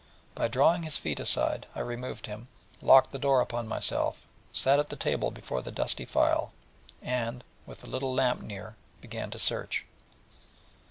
Him, by drawing his feet aside, I removed, locked the door upon myself, sat at the table before the dusty file, and, with the little lamp near, began to search.